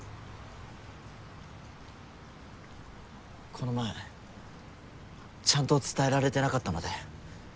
この前ちゃんと伝えられてなかったので。